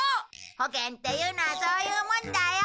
保険っていうのはそういうもんだよ。